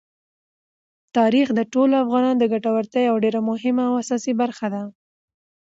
تاریخ د ټولو افغانانو د ګټورتیا یوه ډېره مهمه او اساسي برخه ده.